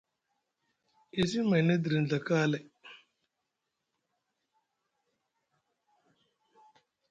E simi mayni nʼe diri nɵa kaalay.